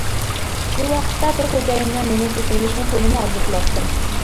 شۇ ۋاقىتتا بىر خوجايىننىڭ مېنى سېتىۋېلىشىنى تولىمۇ ئارزۇ قىلاتتىم.